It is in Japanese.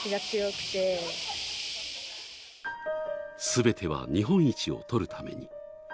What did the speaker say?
全ては日本一を取るために。